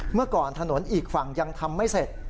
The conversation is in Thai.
เมื่อก่อนถนนอีกฝั่งยังทำไม่เสร็จ